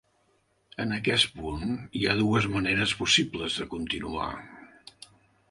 En aquest punt hi ha dues maneres possibles de continuar.